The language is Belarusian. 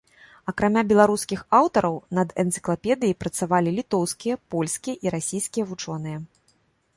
Акрамя беларускіх аўтараў, над энцыклапедыяй працавалі літоўскія, польскія і расійскія вучоныя.